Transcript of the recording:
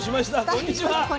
こんにちは。